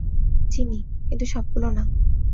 চিনি, কিন্তু সবগুলো না।